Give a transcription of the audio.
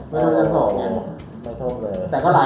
ไม่แล้วถึงชั้น๒นะ